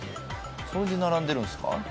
それで並んでるんすか？